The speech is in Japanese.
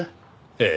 ええ。